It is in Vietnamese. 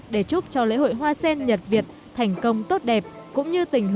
để chúc cho lễ hội hoa sen nhật việt thành công tốt đẹp cũng như tỉnh